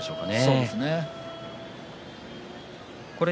そうですね。